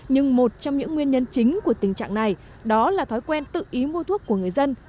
nhưng một trong những nguyên nhân chính của tình trạng này đó là thói quen tự ý mua thuốc của người dân